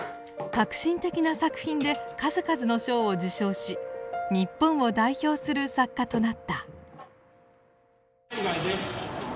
革新的な作品で数々の賞を受賞し日本を代表する作家となった。